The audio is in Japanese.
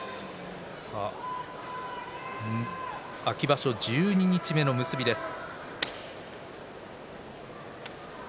秋場所十二日目の結びです。